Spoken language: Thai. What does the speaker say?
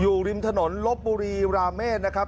อยู่ริมถนนลบบุรีราเมฆนะครับ